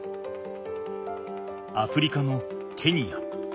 アフリカのケニア。